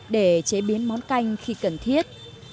để chế biến món canh khi cần thiết